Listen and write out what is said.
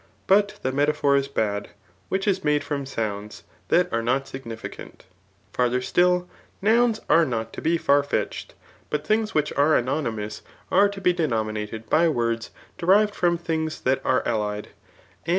But the me^ taphpr is bad, which is made from sounds that are not ^gnificant. Farther still, nouiis are hot to be fer fetched, but 4Uags whith are anonymous are to be denomina^'by words derived from things that are allied, and of tfafe Viz.